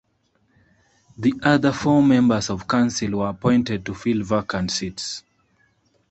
The other four members of council were appointed to fill vacant seats.